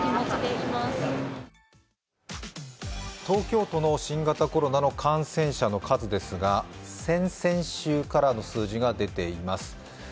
東京都の新型コロナの感染者の数ですが先々週からの数字が出ています。